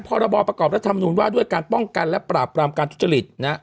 พรบประกอบรัฐมนุนว่าด้วยการป้องกันและปราบรามการทุจริต